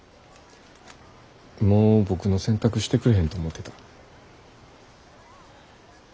もう僕の洗濯してくれへんと思うてた。